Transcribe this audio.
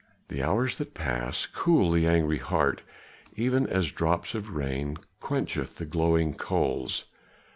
The hours that pass cool the angry heart even as drops of rain quench the glowing coals.